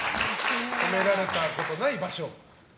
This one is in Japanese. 褒められたことない場所。